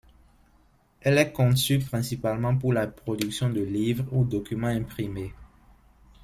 Elle est conçue principalement pour la production de livres ou documents imprimés.